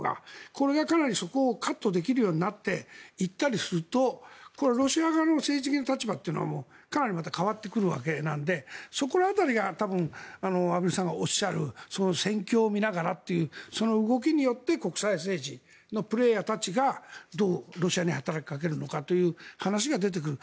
これがそこをカットできるようになっていったりするとロシア側の政治的な立場というのはかなりまた変わってくるわけなのでそこら辺りが畔蒜さんがおっしゃる戦況を見ながらというその動きによって国際政治のプレーヤーたちがどうロシアに働きかけるのかという話が出てくる。